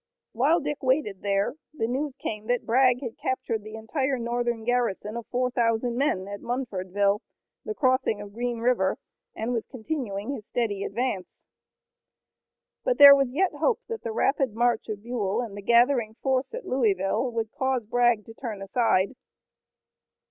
While Dick waited there the news came that Bragg had captured the entire Northern garrison of four thousand men at Munfordville, the crossing of Green River, and was continuing his steady advance. But there was yet hope that the rapid march of Buell and the gathering force at Louisville would cause Bragg to turn aside.